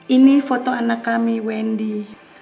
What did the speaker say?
ini foto anak kami wendy